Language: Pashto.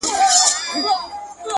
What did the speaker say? دا لوړ ځل و; تر سلامه پوري پاته نه سوم;